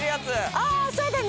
あぁそうだね。